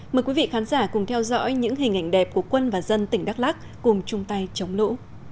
mời quý vị khán giả cùng theo dõi những hình ảnh đẹp của quân và dân tỉnh đắk lắc cùng chung tay chống lũ